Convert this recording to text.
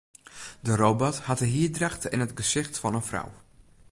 De robot hat de hierdracht en it gesicht fan in frou.